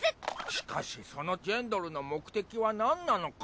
しかしそのジェンドルの目的は何なのか。